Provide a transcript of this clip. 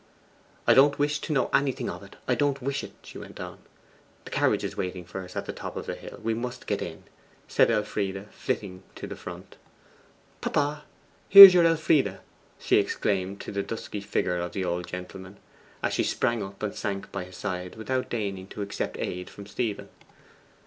'I don't wish to know anything of it; I don't wish it,' she went on. 'The carriage is waiting for us at the top of the hill; we must get in;' and Elfride flitted to the front. 'Papa, here is your Elfride!' she exclaimed to the dusky figure of the old gentleman, as she sprang up and sank by his side without deigning to accept aid from Stephen.